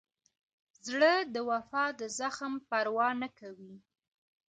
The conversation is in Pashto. زړه د وفا د زخم پروا نه کوي.